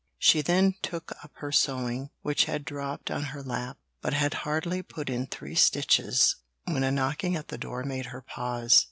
She then took up her sewing, which had dropped on her lap, but had hardly put in three stitches when a knocking at the door made her pause.